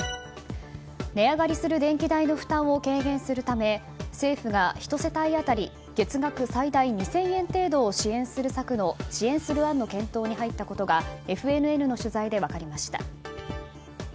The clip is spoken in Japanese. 値上がりする電気代の負担を軽減するため政府が１世帯当たり月額最大２０００円程度を支援する策の案の検討に入ったことがＦＮＮの取材で分かりました。